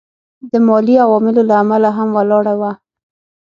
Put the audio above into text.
د مالي عواملو له امله هم ولاړه وه.